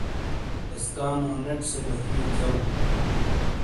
ایسکامو نیٹ سے گہ ہِیئو کھیؤ۔